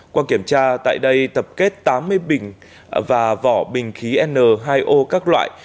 qua kiểm tra tại đây tập kết tám mươi bình và vỏ bình khí n hai o các loại